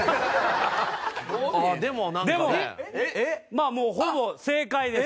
まあほぼ正解です。